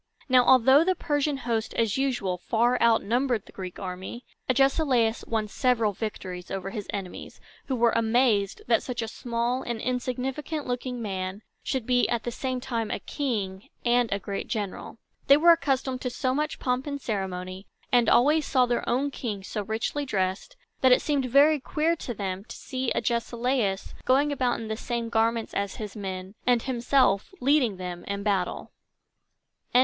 Now, although the Persian host, as usual, far outnumbered the Greek army, Agesilaus won several victories over his enemies, who were amazed that such a small and insignificant looking man should be at the same time a king and a great general. They were accustomed to so much pomp and ceremony, and always saw their own king so richly dressed, that it seemed very queer to them to see Agesilaus going about in the same garments as his men, and himself leading them in battle. LXXIV.